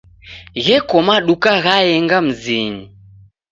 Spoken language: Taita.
Gheko maduka ghaenga mzinyi.